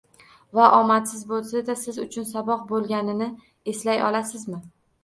Va omadsiz boʻlsa-da, siz uchun saboq boʻlganini eslay olasizmi?